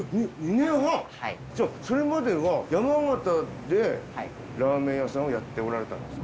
じゃあそれまでは山形でラーメン屋さんをやっておられたんですか？